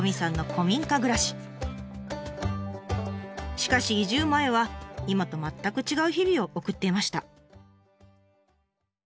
しかし移住前は今と全く違う日々を送っていました。